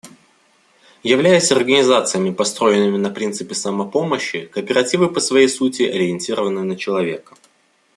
Являясь организациями, построенными на принципе самопомощи, кооперативы по своей сути ориентированы на человека.